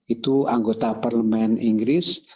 itu anggota parlemen inggris